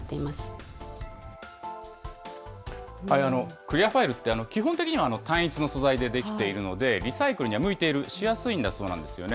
クリアファイルって、基本的には単一の素材で出来ているので、リサイクルには向いている、しやすいんだそうなんですよね。